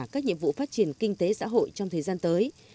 các nhiệm vụ phát triển kinh tế xã hội trong thời gian tới